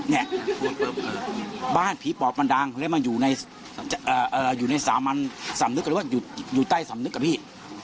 นี่บ้านผีปอบมันดังแล้วมันอยู่ในสามัญสำนึกหรือว่าอยู่ใต้สำนึกกับพี่